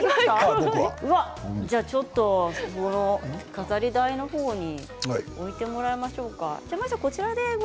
飾り台の方に置いてもらいましょうか。